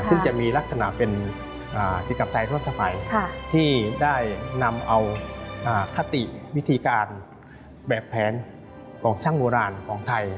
ซึ่งจะมีลักษณะเป็นจิตกับไทยร่วมสมัยที่ได้นำเอาคติวิธีการแบบแผนของช่างโบราณของไทย